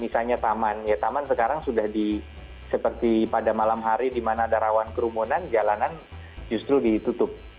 misalnya taman ya taman sekarang sudah seperti pada malam hari di mana ada rawan kerumunan jalanan justru ditutup